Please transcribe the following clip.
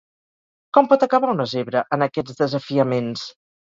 Com pot acabar una zebra en aquests desafiaments?